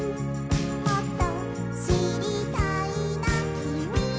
「もっとしりたいなきみのこと」